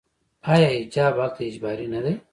آیا حجاب هلته اجباري نه دی؟